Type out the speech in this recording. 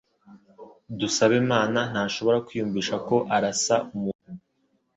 Dusabemana ntashobora kwiyumvisha ko arasa umuntu.